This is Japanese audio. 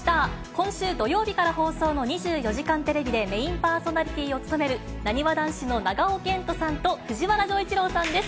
今週土曜日から放送の２４時間テレビでメインパーソナリティーを務めるなにわ男子の長尾謙杜さんと、藤原丈一郎さんです。